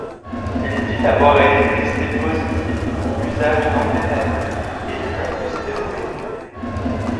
Il dit avoir été testé positif pour usage d'amphétamine, et non de stéroïdes.